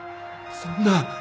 そんな。